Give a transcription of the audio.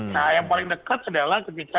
nah yang paling dekat adalah ketika